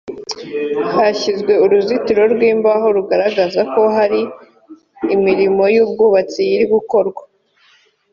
hashyizwe uruzitiro rw’imbaho rugaragaza ko hari imirimo y’ubwubatsi iri gukorwa